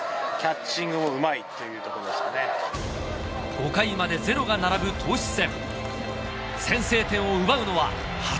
５回まで０が並ぶ投手戦